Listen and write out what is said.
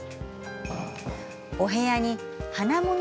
お部屋に花もの